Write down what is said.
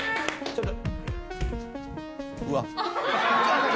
ちょっと。